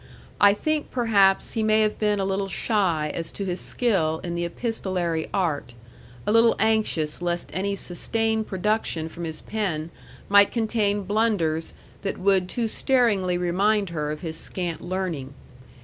I think, perhaps, he may have been a little shy as to his skill in the epistolary art, a little anxious lest any sustained production from his pen might contain blunders that would too staringly remind her of his scant learning.